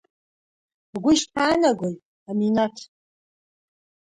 Бгәы ишԥаанагои, Аминаҭ?